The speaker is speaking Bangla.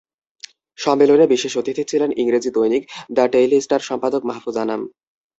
সম্মেলনে বিশেষ অতিথি ছিলেন ইংরেজি দৈনিক দ্য ডেইলি স্টার সম্পাদক মাহ্ফুজ আনাম।